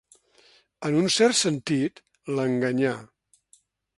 En un cert sentit, l'enganyà.